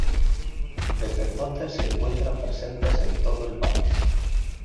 Desde entonces se encuentran presentes en todo el país.